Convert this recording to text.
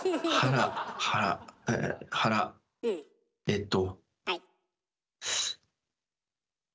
えっと。